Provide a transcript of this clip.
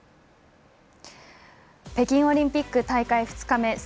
北京オリンピック大会２日目。